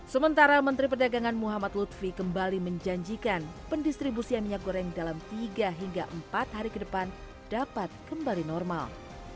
sementara menteri perdagangan muhammad lutfi kembali menjanjikan pendistribusian minyak goreng dalam tiga hingga empat hari ke depan dapat kembali normal